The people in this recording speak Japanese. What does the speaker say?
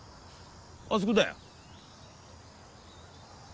あそこだよ。